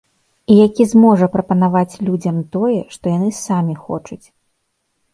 І які зможа прапанаваць людзям тое, што яны самі хочуць.